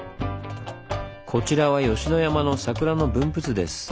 こちらは吉野山の桜の分布図です。